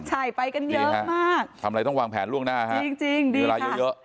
ใครไปกันเยอะมากทำไรต้องวางแผนล่วงหน้าค่ะจริงจริงนี่เวลาเยอะ